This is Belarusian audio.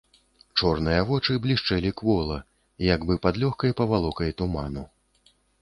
Чорныя вочы блішчэлі квола, як бы пад лёгкай павалокай туману.